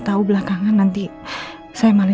tahu belakangan nanti saya malah